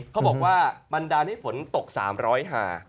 เขาบอกว่าบันดาลนี้ฝนตก๓๐๐หา